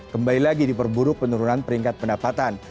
kembali lagi diperburuk penurunan peringkat pendapatan